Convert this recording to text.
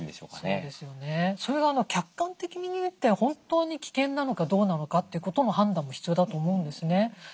それが客観的に見て本当に危険なのかどうなのかということも判断も必要だと思うんですね。